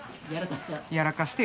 やらかした？